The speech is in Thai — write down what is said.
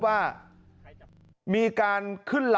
อำเภอโพธาราม